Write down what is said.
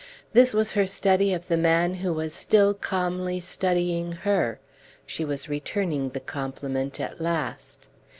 This was her study of the man who was still calmly studying her; she was returning the compliment at last.